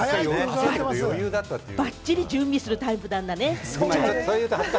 ばっちり準備するタイプなんだね。